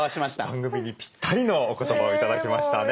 番組にぴったりのお言葉を頂きましたね。